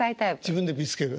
自分で見つける。